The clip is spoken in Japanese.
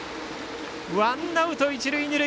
ワンアウト、一塁二塁。